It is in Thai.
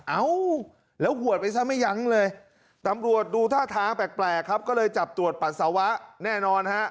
เอ้าแล้วหวดไปซะไม่ยั้งเลยตำรวจดูท่าทางแปลกครับก็เลยจับตรวจปัสสาวะแน่นอนฮะ